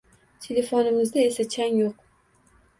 Telefonimizda esa chang yo‘q.